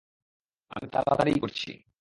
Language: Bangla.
আমি তাড়াতাড়িই করছি।